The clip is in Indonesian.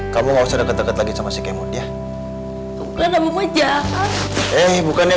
kamu gak usah deket deket lagi sama si kemut ya